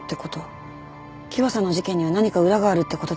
喜和さんの事件には何か裏があるってことですか？